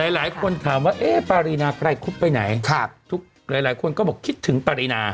หลายคนถามว่าเอ๊ะปารีนาไกรคุบไปไหนหลายคนก็บอกคิดถึงปรินา